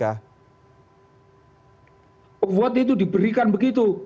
avot itu diberikan begitu